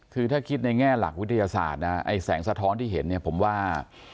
คือถ้าคิดในแง่หลักวิทยาศาสตร์นะไอ้แสงสะท้อนที่เห็นเนี่ยผมว่า